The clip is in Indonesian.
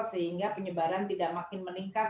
sehingga penyebaran tidak makin meningkat